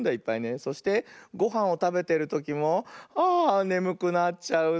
そしてごはんをたべてるときも「ああねむくなっちゃう」ってこうなっちゃうね。